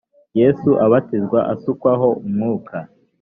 yesu abatizwa asukwaho umwuka